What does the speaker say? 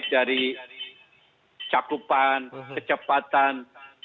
dari cakupan kecepatan